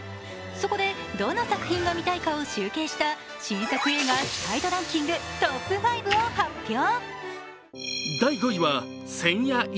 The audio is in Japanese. そこで、どの作品が見たいかを集計した新作映画期待度ランキングトップ５を発表。